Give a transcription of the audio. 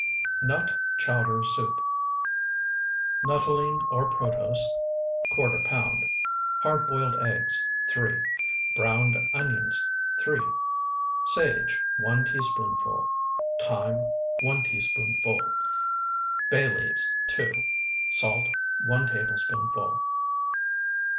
NUT CHOWDER SOUP Nuttolene or protose, ¼ pound. Hard boiled eggs, 3. Browned onions, 3. Sage, 1 teaspoonful. Thyme, 1 teaspoonful. Bay leaves, 2. Salt, 1 tablespoonful.